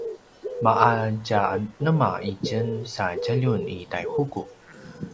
ma’a tja nema itjen sa djaljun i Taihuku?